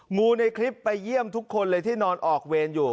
ในคลิปไปเยี่ยมทุกคนเลยที่นอนออกเวรอยู่